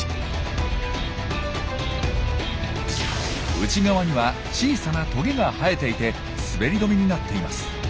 内側には小さなトゲが生えていて滑り止めになっています。